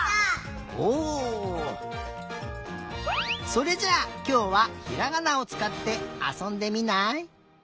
それじゃあきょうはひらがなをつかってあそんでみない？